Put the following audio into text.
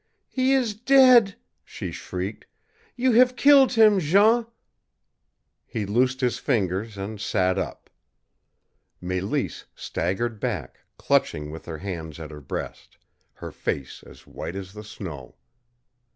"He is dead!" she shrieked. "You have killed him, Jean!" He loosed his fingers and sat up. Mélisse staggered back, clutching with her hands at her breast, her face as white as the snow.